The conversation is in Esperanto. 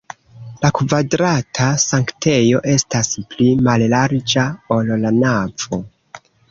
La kvadrata sanktejo estas pli mallarĝa, ol la navo.